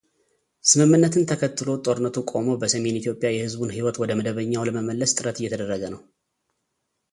ስምምነትን ተከትሎ ጦርነቱ ቆሞ በሰሜን ኢትዮጵያ የሕዝቡን ሕይወት ወደ መደበኛው ለመመለስ ጥረት እየተደረገ ነው።